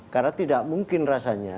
karena tidak mungkin rasanya